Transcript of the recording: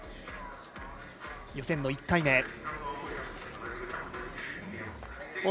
予選１回目。